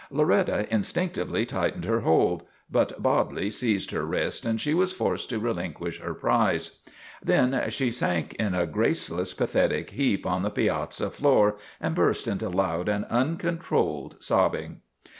Loretta instinctively tightened her hold, but Bodley seized her wrist and she was forced to relinquish her prize. Then she sank in a grace less, pathetic heap on the piazza floor and burst into loud and uncontrolled sobbing.